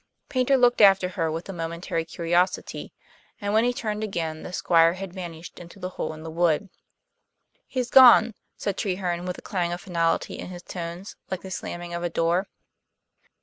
Paynter looked after her with a momentary curiosity, and when he turned again the Squire had vanished into the hole in the wood. "He's gone," said Treherne, with a clang of finality in his tones, like the slamming of a door.